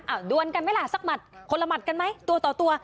ดวนกันไหมล่ะสักหมัดคนละหมัดกันไหมตัวต่อตัว